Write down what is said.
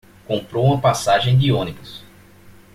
Comprou uma passagem de onibus